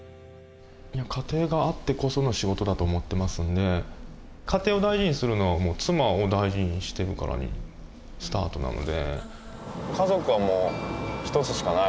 家庭があってこその仕事だと思ってますんで家庭を大事にするのは妻を大事にしてるからスタートなので。